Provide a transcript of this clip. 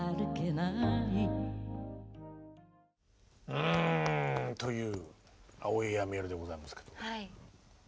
うんという「青いエアメイル」でございますけど。